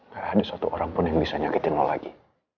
gak ada satu orang pun yang bisa nyakitin mau lagi